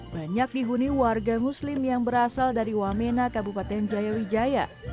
banyak dihuni warga muslim yang berasal dari wamena kabupaten jayawijaya